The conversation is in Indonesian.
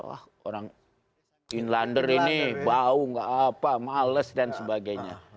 wah orang inlander ini bau nggak apa males dan sebagainya